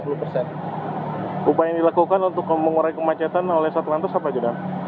upaya yang dilakukan untuk mengurai kemacetan oleh satlantas apa itu